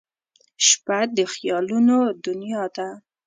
• شپه د خیالونو دنیا ده.